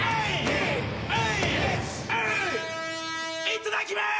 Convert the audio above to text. いただきます！